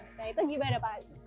nah itu gimana pak